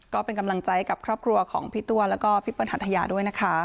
ก็เป็นกำลังใจกับครอบครัวของพี่ตัวแล้วก็พี่เปิ้หัทยาด้วยนะคะ